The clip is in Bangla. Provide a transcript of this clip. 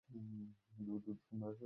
আমাদের কাজে আসবে তো, স্যার?